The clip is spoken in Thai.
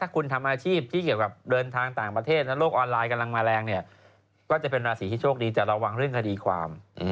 ก็จะเป็นราศีที่โชคดีจะระวังเรื่องคดีความ